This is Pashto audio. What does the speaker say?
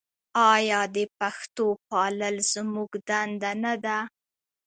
آیا د پښتو پالل زموږ دنده نه ده؟